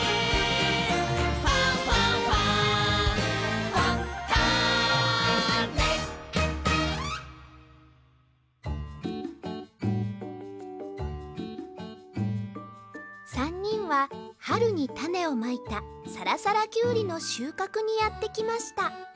「ファンファンファン」３にんははるにたねをまいたさらさらキュウリのしゅうかくにやってきました